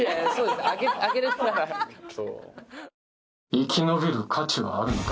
生き延びる価値はあるのか？